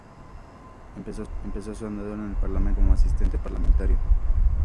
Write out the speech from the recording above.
Empezó su andadura en el Parlamento Europeo como asistente parlamentario.